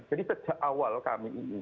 jadi sejak awal kami ini